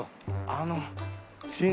あの。